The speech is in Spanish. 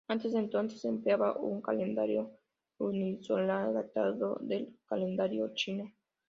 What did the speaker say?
Antes de entonces, se empleaba un calendario lunisolar adaptado del calendario chino.